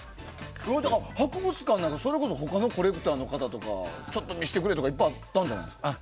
博物館なんか、それこそ他のコレクターの方とかちょっと見せてくれとかあるんじゃないですか？